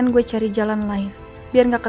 sekalian mau liat kondisi rena